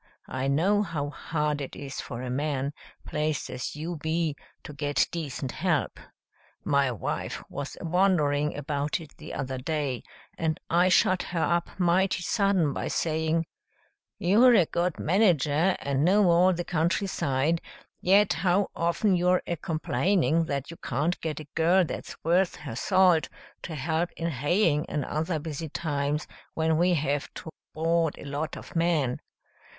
I know how hard it is for a man, placed as you be, to get decent help. My wife was a wondering about it the other day, and I shut her up mighty sudden by saying, 'You're a good manager, and know all the country side, yet how often you're a complaining that you can't get a girl that's worth her salt to help in haying and other busy times when we have to board a lot of men.'